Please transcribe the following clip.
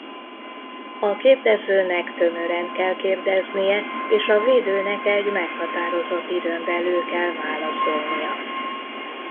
A kérdezőnek tömören kell kérdeznie és a védőnek egy meghatározott időn belül kell válaszolnia.